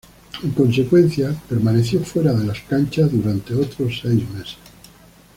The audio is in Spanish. En consecuencia permaneció fuera de las canchas durante otros seis meses.